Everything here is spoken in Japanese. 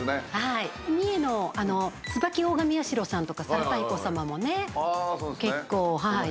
三重の椿大神社さんとか猿田彦さまもね結構。